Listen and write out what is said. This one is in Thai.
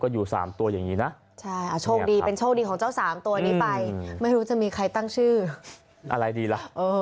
เพราะว่ามันเป็นสัตว์ป่าคุ้มครองแล้ว